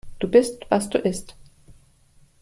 Du bist, was du isst.